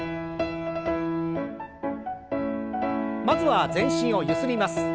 まずは全身をゆすります。